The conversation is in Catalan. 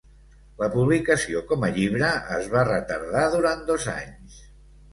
La publicació com a llibre es va retardar durant dos anys.